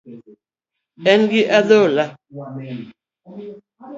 En gi adhola